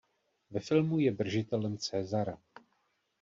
Ve filmu je držitelem Césara.